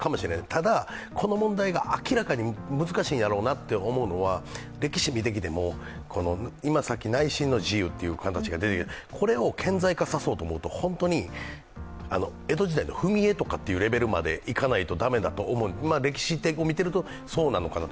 ただこの問題が明らかに難しいんやろうなと思うのは歴史を見てきても、さっき内心の自由という話が出てきましたが、これを顕在化させようと思うと本当に江戸時代の踏み絵とかまでいかないと駄目だと思う、歴史を見ているとそうなのかな。